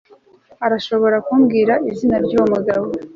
urashobora kumbwira izina ryuwo mugabo